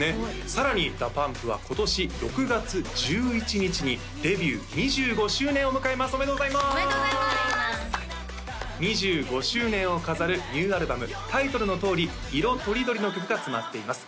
さらにＤＡＰＵＭＰは今年６月１１日にデビュー２５周年を迎えますおめでとうございますおめでとうございます２５周年を飾るニューアルバムタイトルのとおり色とりどりの曲が詰まっています